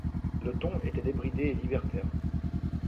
Le ton était débridé et libertaire.